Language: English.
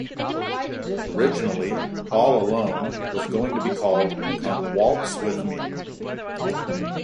Originally, "All Alone" was going to be called "Come Waltz With Me".